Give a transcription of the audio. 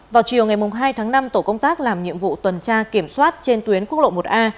vào chiều ngày hai tháng năm tổ công tác làm nhiệm vụ tuần tra kiểm soát trên tuyến quốc lộ một a